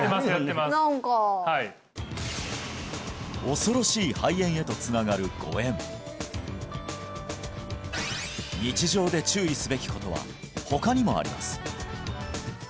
何か恐ろしい肺炎へとつながる誤嚥日常で注意すべきことは他にもあります